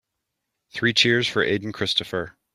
Three cheers for Aden Christopher.